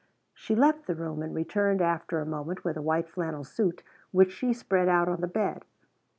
She left the room and returned after a moment with a white flannel suit which she spread out on the bed.